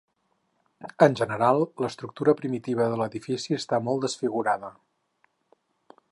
En general l'estructura primitiva de l'edifici està molt desfigurada.